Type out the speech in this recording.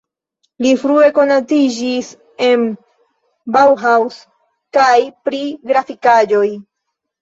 Li frue konatiĝis en Bauhaus kaj pri grafikaĵoj.